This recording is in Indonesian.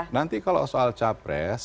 nanti kalau soal capres